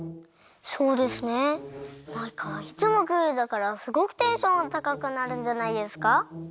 そうですねマイカはいつもクールだからすごくテンションがたかくなるんじゃないですか？